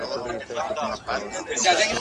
څوک د میندو پر سینو باندي ساه ورکړي ..